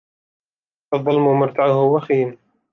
الظلم مرتعه وخيم.